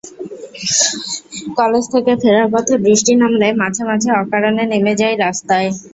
College থেকে ফেরার পথে বৃষ্টি নামলে মাঝে মাঝে অকারণে নেমে যাই রাস্তায়।